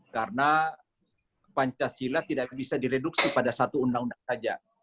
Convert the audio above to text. karena pancasila tidak bisa direduksi pada satu undang undang saja